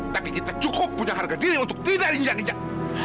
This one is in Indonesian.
tapi kita cukup punya harga diri untuk tidak rinjak injak